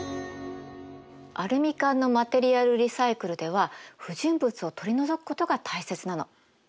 アルミ缶のマテリアルリサイクルでは不純物を取り除くことが大切なの。